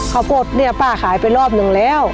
ข้าวโพดเนี่ยป้าขายไปรอบหนึ่งแล้ว